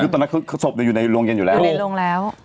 ถึงตอนนั้นเค้าสบจรุงอยู่ในโรงเย็นอยู่แล้ว